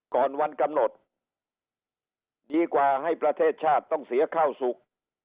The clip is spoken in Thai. ก่อนวันกำหนดดีกว่าให้ประเทศชาติต้องเสียข้าวสุข